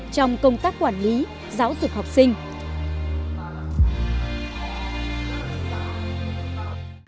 trong công tác quản lý giáo dục học sinh